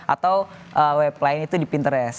atau web lain itu di pinterest